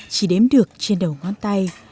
chỉ đếm được trên đầu ngón tay